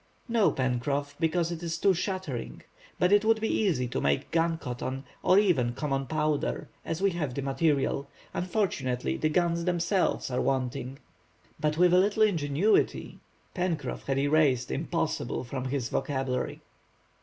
"No, Pencroff, because it is too shattering. But it would be easy to make gun cotton, or even common powder, as we have the material. Unfortunately, the guns themselves are wanting." "But with a little ingenuity!—" Pencroff had erased "impossible" from his vocabulary.